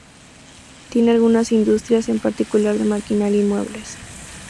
Tiene algunas industrias, en particular de maquinaria y muebles.